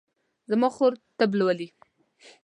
زما خور طب لولي